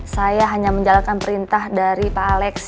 saya hanya menjalankan perintah dari pak alex